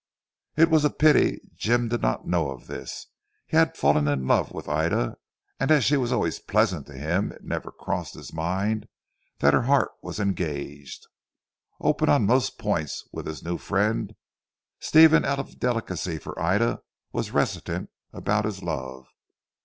It was a pity Jim did not know of this. He had fallen in love with Ida, and as she was always pleasant to him, it never crossed his mind that her heart was engaged. Open on most points with his new friend, Stephen out of delicacy for Ida was reticent about his love.